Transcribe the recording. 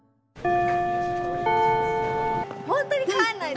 本当に帰んないで！